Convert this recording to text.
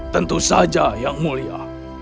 tentu saja yang mulia